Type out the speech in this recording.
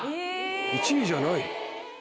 １位じゃない。